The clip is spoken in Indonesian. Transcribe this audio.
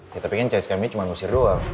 ya tapi kan cskmu cuman ngusir doang